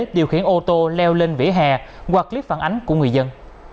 điều khiển ô tô leo lên vỉa hè hoặc clip phản ánh của người dân